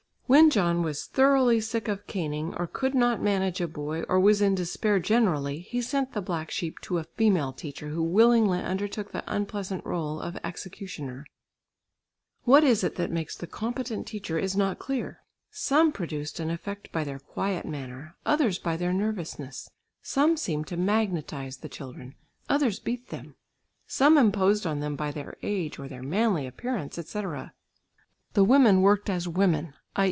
When John was thoroughly sick of caning, or could not manage a boy, or was in despair generally, he sent the black sheep to a female teacher, who willingly undertook the unpleasant rôle of executioner. What it is that makes the competent teacher is not clear. Some produced an effect by their quiet manner, others by their nervousness; some seemed to magnetise the children, others beat them; some imposed on them by their age or their manly appearance, etc. The women worked as women, _i.